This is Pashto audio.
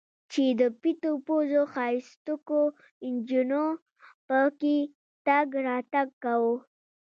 چې د پيتو پوزو ښايستوکو نجونو پکښې تګ راتګ کاوه.